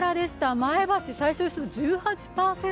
前橋、最小湿度１８％。